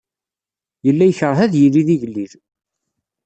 Yella yekṛeh ad yili d igellil.